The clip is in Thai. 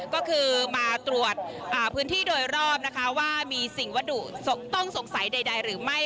ก็คือมาตรวจพื้นที่โดยรอบนะคะว่ามีสิ่งวัตถุต้องสงสัยใดหรือไม่